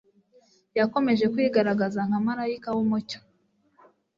Yakomeje kwigaragaza nka malayika w'umucyo